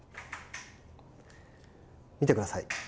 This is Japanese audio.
見てください。